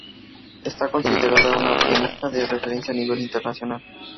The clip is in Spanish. Está considerada una pianista de referencia a nivel internacional.